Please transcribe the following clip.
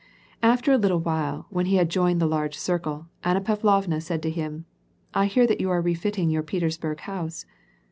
After a little while, when he had joined the large circle, Anna Pavlovna said to him, "I hear that you are refitting your Petersburg house."